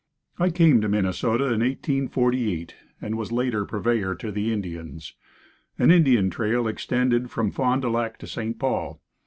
I came to Minnesota in 1848 and was later purveyor to the Indians. An Indian trail extended from Fond du Lac to St. Paul.